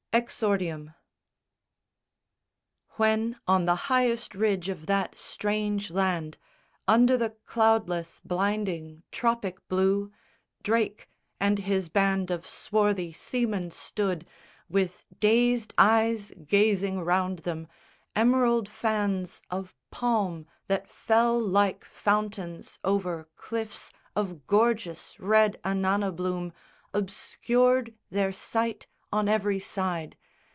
EXORDIUM When on the highest ridge of that strange land, Under the cloudless blinding tropic blue, Drake and his band of swarthy seamen stood With dazed eyes gazing round them, emerald fans Of palm that fell like fountains over cliffs Of gorgeous red anana bloom obscured Their sight on every side.